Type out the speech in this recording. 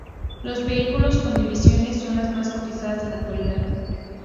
Los vehículos con divisiones son los más cotizados en la actualidad.